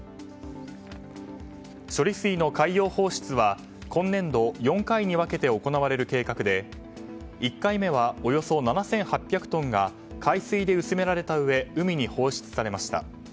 処理水の海洋放出は今年度、４回に分けて行われる計画で１回目はおよそ７８００トンが海水で薄められたうえ海に放出されました。